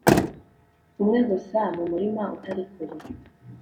Umwe gusa mu murima utari kure